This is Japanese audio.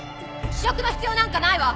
試食の必要なんかないわ。